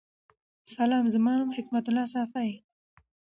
سلام زما نوم حکمت الله صافی